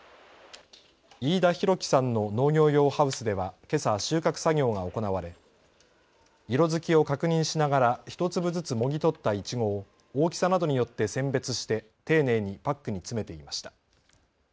飯田裕樹さんの農業用ハウスではけさ収穫作業が行われ色付きを確認しながら１粒ずつもぎ取ったいちごを大きさなどによって選別して丁寧にパックに詰めていました。